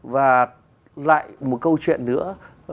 và lại một câu chuyện nữa